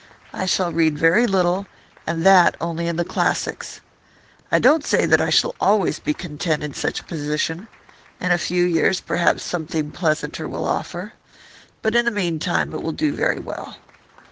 I shall read very little, and that only in the classics. I don't say that I shall always be content in such a position; in a few years perhaps something pleasanter will offer. But in the meantime it will do very well.